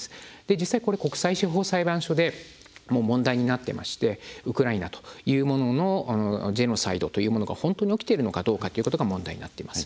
実際、国際司法裁判所でも問題になってましてウクライナというもののジェノサイドというものが本当に起きているのかどうかが問題になっています。